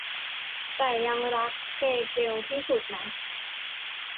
แต่ยังรักเทเกลที่สุดนะ